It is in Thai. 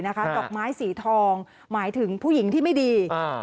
ดอกไม้สีทองหมายถึงผู้หญิงที่ไม่ดี